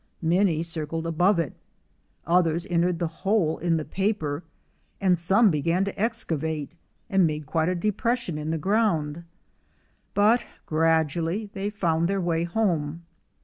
Many circled above it, others entered the hole in the paper, and some began to excavate, and made quite a depression in the ground; but gradually they found their way home.